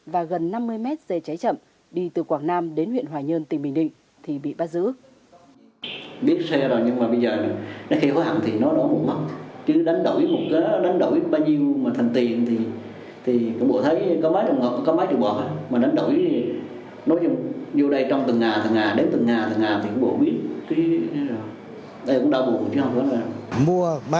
và gần năm mươi mét dây cháy chậm đi từ quảng nam đến huyện hòa nhơn tỉnh bình định thì bị bắt giữ